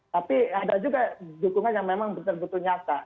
tapi ada juga dukungan yang memang betul betul nyata